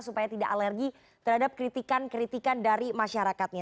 supaya tidak alergi terhadap kritikan kritikan dari masyarakatnya